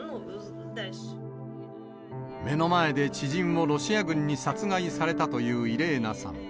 目の前で知人をロシア軍に殺害されたというイレーナさん。